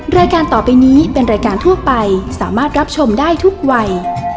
รายการต่อไปนี้เป็นรายการทั่วไปสามารถรับชมได้ทุกวัย